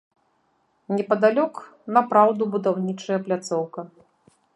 Непадалёк напраўду будаўнічая пляцоўка.